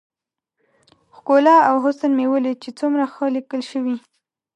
ښکلا او حسن مې وليد چې څومره ښه ليکل شوي.